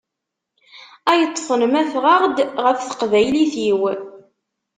Ay-ṭfen ma fɣeɣ-d ɣef teqbaylit-iw.